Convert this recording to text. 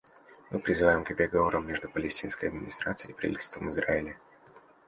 Мы призываем к переговорам между Палестинской администрацией и правительством Израиля.